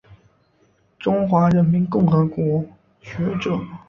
中华人民共和国学者。